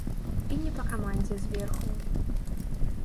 І не па камандзе зверху.